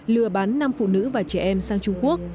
lừa bán năm phụ nữ và trẻ em sang trung quốc